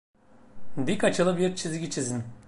Dik açılı bir çizgi çizin.